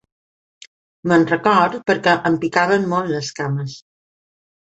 Me'n recordo perquè em picaven molt les cames.